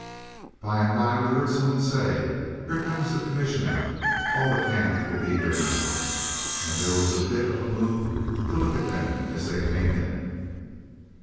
By and by we heard some one say, 'Here comes the Commissioner; all the camp will be here now,' and there was a bit of a move to look at them as they came in.